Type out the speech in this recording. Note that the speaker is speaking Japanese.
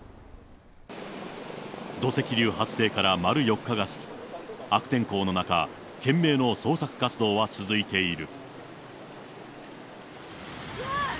土石流発生から丸４日が過ぎ、悪天候の中、懸命の捜索活動は続いている。